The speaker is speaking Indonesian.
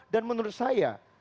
dan menurut saya